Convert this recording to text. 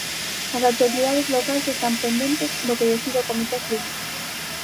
As autoridades locais están pendentes do que decida o comité clínico.